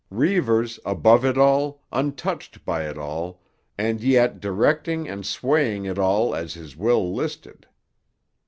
Reivers, above it all, untouched by it all, and yet directing and swaying it all as his will listed.